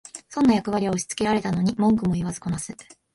損な役割を押しつけられたのに文句言わずこなす